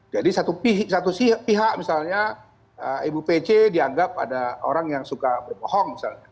jadi satu pihak misalnya ibu pc dianggap ada orang yang suka berbohong misalnya